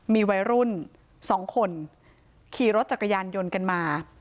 มีวัยรุ่น๒คนขี่รถจักรยานยนต์กันมา